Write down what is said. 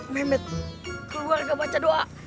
memet keluarga baca doa